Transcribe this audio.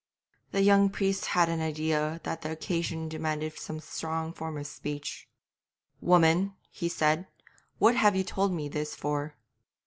The young priest had an idea that the occasion demanded some strong form of speech. 'Woman,' he said, 'what have you told me this for?'